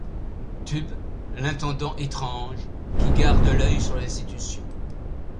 Tubb, l'intendant étrange, qui garde l’œil sur l'institution.